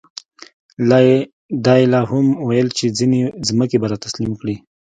دا یې لا هم ویل چې ځینې ځمکې به را تسلیم کړي.